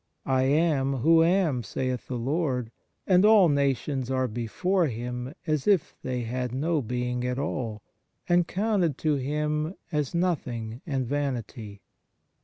" I am who am," saith the Lord. And " all nations are before Him as if they had no being at all, and counted to Him as nothing and vanity."